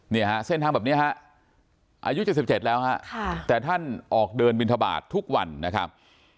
เนี่ยฮะเส้นทางแบบนี้ฮะอายุ๗๗แล้วฮะแต่ท่านออกเดินบินทบาททุกวันนะครับ